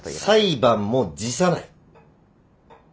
裁判も辞さない。